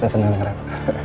saya senang denger ya pak